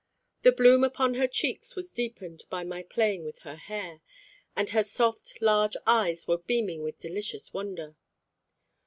The bloom upon her cheeks was deepened by my playing with her hair, and her soft large eyes were beaming with delicious wonder.